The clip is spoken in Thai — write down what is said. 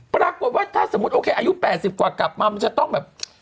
ปรากฏว่าถ้าสมมุติโอเคอายุ๘๐กว่ากลับมามันจะต้องแบบ